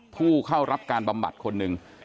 ผู้เข้ารับการบำบัดคนหนึ่ง